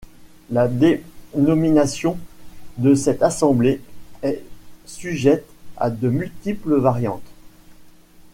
La dénomination de cette assemblée est sujette à de multiples variantes.